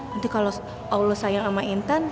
nanti kalau allah sayang sama intan